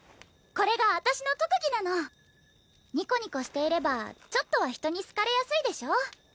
これが私の特技なのニコニコしていればちょっとは人に好かれやすいでしょ